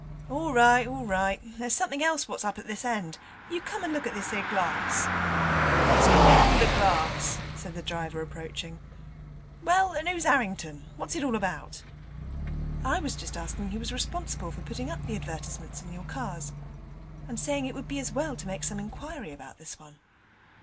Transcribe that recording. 'All right, all right; there's somethink else what's up at this end. You come and look at this 'ere glass.' 'What's gorn with the glass?' said the driver, approaching. 'Well, and oo's 'Arrington? What's it all about?' 'I was just asking who was responsible for putting the advertisements up in your cars, and saying it would be as well to make some inquiry about this one.'